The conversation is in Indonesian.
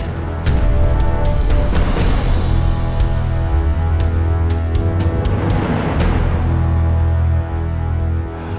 tante kita harus pergi ke rumah